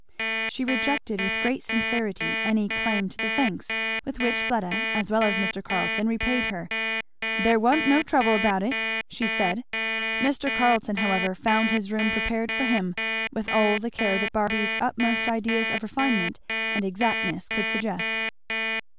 She rejected with great sincerity any claim to the thanks with which Fleda as well as Mr. Carleton repaid her; "there wa'n't no trouble about it," she said. Mr. Carleton however found his room prepared for him with all the care that Barby's utmost ideas of refinement and exactness could suggest.